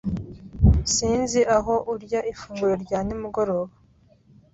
Sinzi aho urya ifunguro rya nimugoroba.